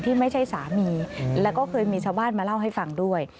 ไม่ใช่สามีแล้วก็เคยมีชาวบ้านมาเล่าให้ฟังด้วย